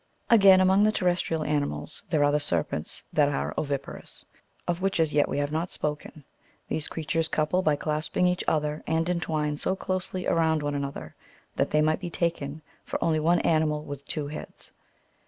Again, among the terrestrial animals, there are the serpents that are oviparous ; of which, as yet, we have not spoken# These creatures couple by clasping each other, and entwine so closely around one another, that they might be taken for only one animal with two heads.